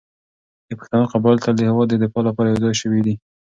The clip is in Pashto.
د پښتنو قبایل تل د هېواد د دفاع لپاره يو ځای شوي دي.